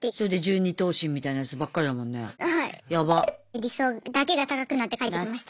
理想だけが高くなって帰ってきました。